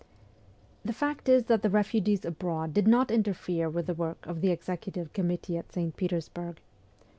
The fact is that the refugees abroad did not inter fere with the work of the Executive Committee at St. Petersburg.